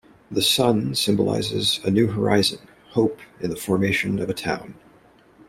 The Sun symbolizes a new horizon, hope in the formation of a town.